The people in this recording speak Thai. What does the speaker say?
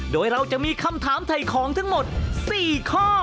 โดยเราจะมีคำถามถ่ายของทั้งหมด๔ข้อ